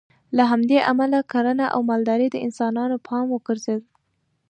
له همدې امله کرنه او مالداري د انسانانو پام وګرځېد